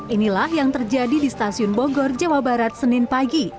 inilah yang terjadi di stasiun bogor jawa barat senin pagi